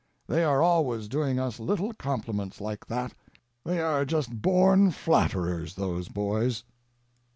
They are always doing us little compliments like that; they are just born flatterers, those boys.